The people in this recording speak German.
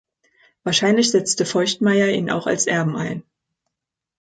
Wahrscheinlich setzte Feuchtmayer ihn auch als Erben ein.